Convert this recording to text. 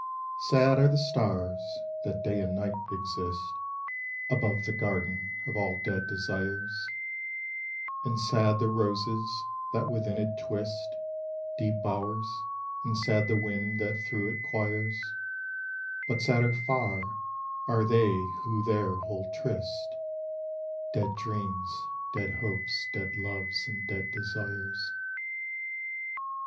Sad are the stars that day and night exist Above the Garden of all Dead Desires; And sad the roses that within it twist Deep bow'rs; and sad the wind that through it quires; But sadder far are they who there hold tryst Dead dreams, dead hopes, dead loves, and dead desires.